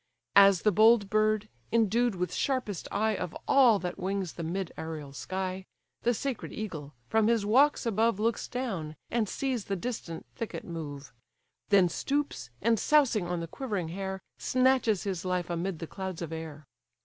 As the bold bird, endued with sharpest eye Of all that wings the mid aërial sky, The sacred eagle, from his walks above Looks down, and sees the distant thicket move; Then stoops, and sousing on the quivering hare, Snatches his life amid the clouds of air.